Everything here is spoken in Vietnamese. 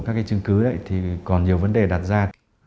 các cái chứng cứ đấy thì còn nhiều vấn đề đặt ra